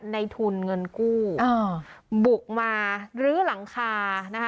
ในทุนเงินกู้อ่าบุกมาลื้อหลังคานะคะ